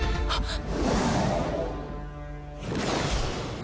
あっ？